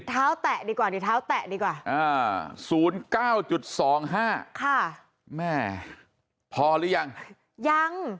แตะดีกว่านี่เท้าแตะดีกว่า๐๙๒๕ค่ะแม่พอหรือยังยัง